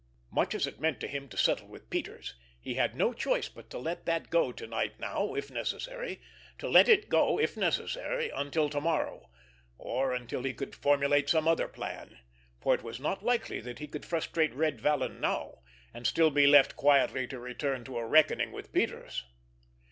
Much as it meant to him to settle with Peters, he had no choice but to let that go to night now, if necessary—to let it go, if necessary, until to morrow, or until he could formulate some other plan, for it was not likely that he could frustrate Red Vallon now, and still be left quietly to return to a reckoning with Peters.